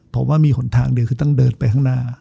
ผมว่ามีหนทางเดียวคือต้องเดินไปข้างหน้า